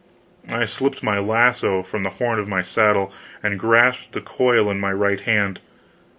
I slipped my lasso from the horn of my saddle, and grasped the coil in my right hand.